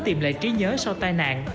tìm lại trí nhớ sau tai nạn